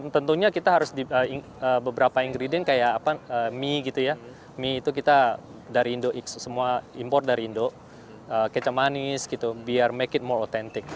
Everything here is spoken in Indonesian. tentunya kita harus beberapa ingredien seperti mie mie itu kita dari indo semua import dari indo kecap manis biar make it more authentic